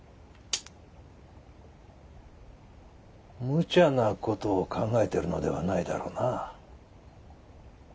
むちゃな事を考えているのではないだろうな？